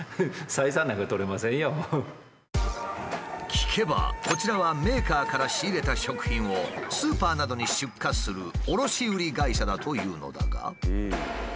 聞けばこちらはメーカーから仕入れた食品をスーパーなどに出荷する卸売会社だというのだが。